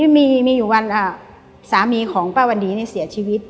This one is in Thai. มีอยู่วันสามีของป้าวันดีเสียชีวิต